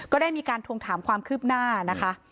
ได้มีการทวงถามความคืบหน้านะคะ